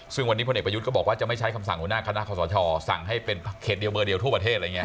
ซึ่งวันนี้พระอิกปะยุทธก็บอกว่าจะไม่ใช้คำสั่งหัวหน้าคณะคสชสั่งให้เป็นเขตเดียวเมือเดียวทั่วประเทศ